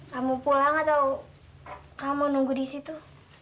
kamu pulang atau kamu nunggu disitu